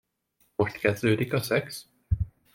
Most kezdődik a szex?